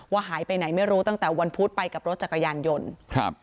หายไปไหนไม่รู้ตั้งแต่วันพุธไปกับรถจักรยานยนต์ครับ